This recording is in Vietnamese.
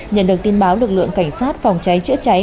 nhận được tin báo lực lượng cảnh sát phòng cháy chữa cháy